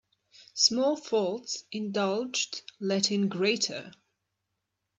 Small faults indulged let in greater.